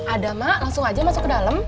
ada mak langsung aja masuk ke dalam